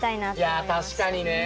いや確かにね。